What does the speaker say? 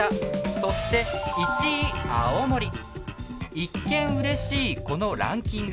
一見うれしいこのランキング。